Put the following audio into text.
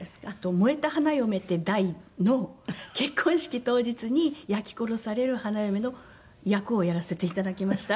『燃えた花嫁』っていう題の結婚式当日に焼き殺される花嫁の役をやらせて頂きました。